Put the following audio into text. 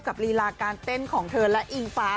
ลีลาการเต้นของเธอและอิงฟ้า